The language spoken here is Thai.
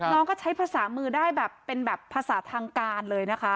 น้องก็ใช้ภาษามือได้แบบเป็นแบบภาษาทางการเลยนะคะ